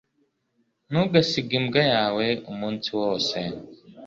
Ntugasige imbwa yawe umunsi wose